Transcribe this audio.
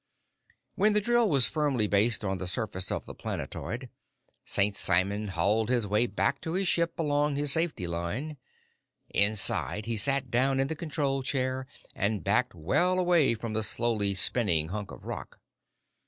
"_ When the drill was firmly based on the surface of the planetoid, St. Simon hauled his way back to his ship along his safety line. Inside, he sat down in the control chair and backed well away from the slowly spinning hunk of rock.